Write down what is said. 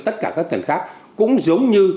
tất cả các tiền khác cũng giống như